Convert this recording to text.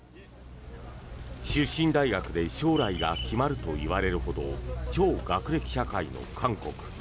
出身大学で将来が決まるといわれるほど超学歴社会の韓国。